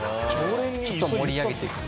ちょっと盛り上げていく。